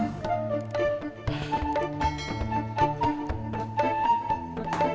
bisa jadi begitu